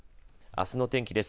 あすの天気です。